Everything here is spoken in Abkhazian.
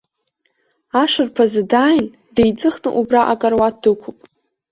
Ашырԥазы дааин, деиҵыхны убра акаруаҭ дықәуп.